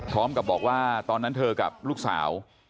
พร้อมกับบอกว่าตอนนั้นเธอกับลูกสาว